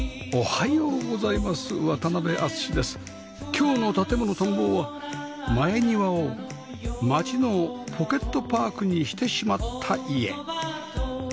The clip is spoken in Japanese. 今日の『建もの探訪』は前庭を街のポケットパークにしてしまった家